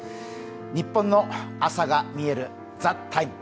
ニッポンの朝がみえる「ＴＨＥＴＩＭＥ，」